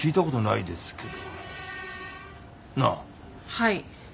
はい。